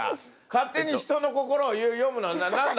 勝手に人の心を読むのは何だ？